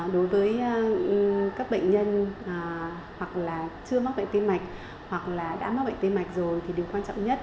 đối với các bệnh nhân hoặc là chưa mắc bệnh tim mạch hoặc là đã mắc bệnh tim mạch rồi thì điều quan trọng nhất